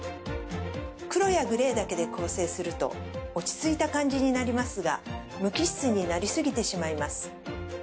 黒やグレーだけで構成すると落ち着いた感じになりますが無機質になりすぎてしまいます。